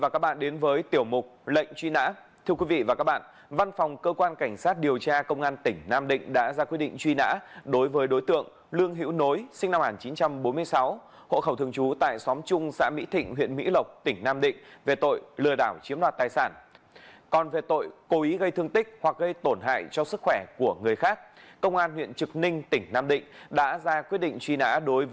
chào mừng quý vị đến với tiểu mục lệnh truy nã